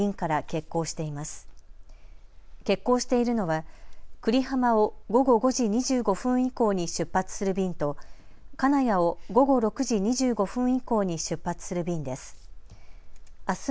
欠航しているのは久里浜を午後５時２５分以降に出発する便と金谷を午後６時２５分以降に出発する便です。